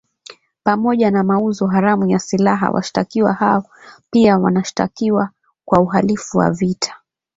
Pamoja na mauzo haramu ya silaha, washtakiwa hao pia wanashtakiwa kwa uhalifu wa vita